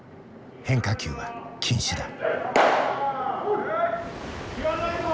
変化球は禁止だ。